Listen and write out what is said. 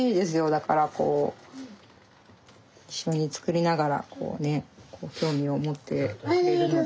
だからこう一緒に作りながらこうね興味を持ってくれるので。